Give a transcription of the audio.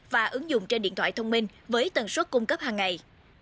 và ứng dụng trên điện thoại thông minh với tần suất cung cấp hàng ngày